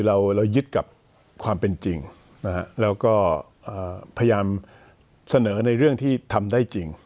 เรายึดกับความเป็นจริงแล้วก็พยายามเสนอในเรื่องที่ทำได้จริง